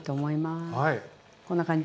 こんな感じ。